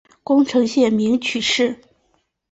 宫城县名取市人。